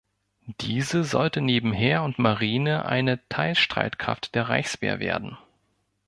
Diese sollte neben Heer und Marine eine Teilstreitkraft der Reichswehr werden.